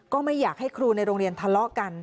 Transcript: ก็ไม่อยากให้ครูในโรงเรียนทะเลาะกัน